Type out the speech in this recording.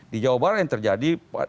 di jawa barat yang terjadi